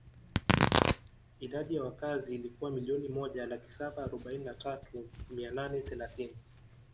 Idadi ya wakazi ilikuwa milioni moja laki saba arobaini na tatu mia nane thelathini